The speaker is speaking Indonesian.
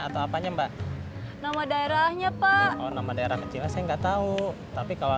atau apanya mbak nama daerahnya pak nama daerah kecil saya enggak tahu tapi kalau